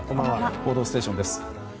「報道ステーション」です。